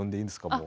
もう。